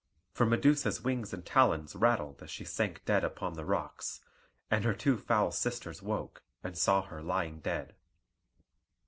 For Medusa's wings and talons rattled as she sank dead upon the rocks; and her two foul sisters woke, and saw her lying dead.